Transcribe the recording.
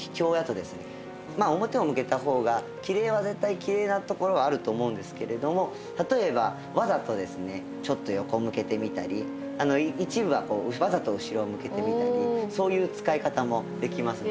まあ表を向けた方がきれいは絶対きれいなところはあると思うんですけれども例えばわざとですねちょっと横向けてみたり一部はわざと後ろを向けてみたりそういう使い方もできますので。